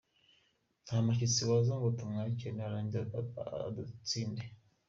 Nta mushyitsi waza ngo tumwakire narangiza adutsinde.